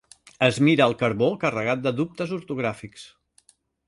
Es mira el carbó carregat de dubtes ortogràfics.